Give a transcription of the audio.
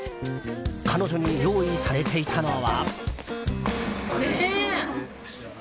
彼女に用意されていたのは。